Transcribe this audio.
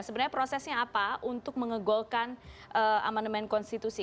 sebenarnya prosesnya apa untuk mengegolkan amandemen konstitusi